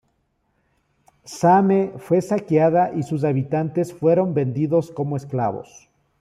Same fue saqueada y sus habitantes fueron vendidos como esclavos.